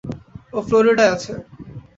ও ফ্লোরিডায় আছে।